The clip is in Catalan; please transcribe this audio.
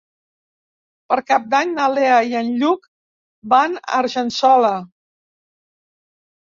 Per Cap d'Any na Lea i en Lluc van a Argençola.